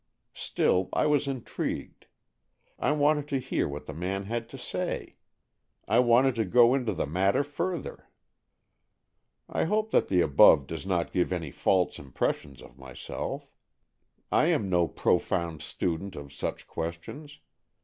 Still, I was intrigued. I wanted to hear what the man had to say. I wanted to go into the matter further. I hope that the above does not give any false impression of myself. I am no pro found student of such questions.